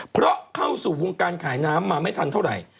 เพราะเข้าสู่วงการขายน้ำมาไม่ทันเท่าไหร่